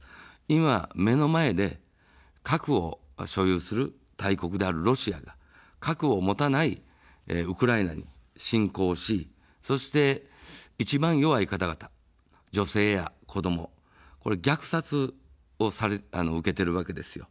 今、目の前で核を所有する大国であるロシアが核を持たないウクライナに侵攻をし、そして、一番弱い方々、女性や子ども、虐殺を受けているわけですよ。